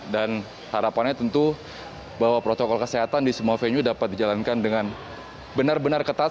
dan harapannya tentu bahwa protokol kesehatan di semua venue dapat dijalankan dengan benar benar ketat